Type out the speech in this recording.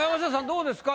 どうですか？